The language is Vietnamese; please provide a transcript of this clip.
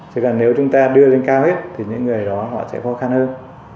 chỉ cần nếu chúng ta đưa lên cao hết thì những người đó họ sẽ khó khăn hơn